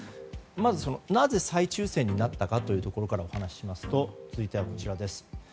まず、なぜ再抽選になったかというところからお話ししますと続いては、こちらです。